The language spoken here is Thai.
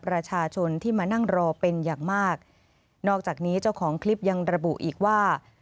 ประชาชนที่มานั่งรอเป็นอย่างมากนอกจากนี้เจ้าของคลิปยังระบุอีกว่า